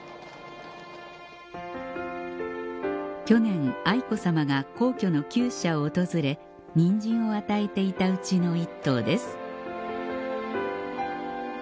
去年愛子さまが皇居の厩舎を訪れにんじんを与えていたうちの１頭です